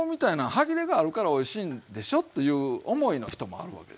歯切れがあるからおいしいんでしょという思いの人もあるわけですね。